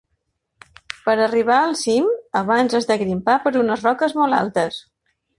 Per arribar al cim, abans has de grimpar per unes roques molt altes.